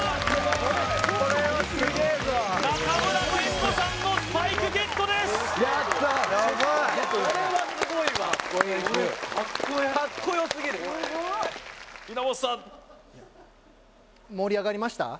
・これはすげえぞ中村憲剛さんのスパイクゲットですやった・これはすごいわ・かっこよすぎる稲本さん